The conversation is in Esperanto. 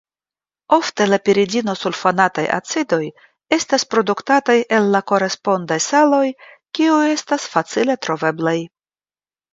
Ofte la piridinosulfonataj acidoj estas produktataj el la korespondaj saloj kiuj estas facile troveblaj.